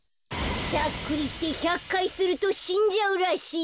しゃっくりって１００かいするとしんじゃうらしいよ。